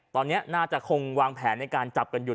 ตอนนี้น่าจะคงวางแผนในการจับกันอยู่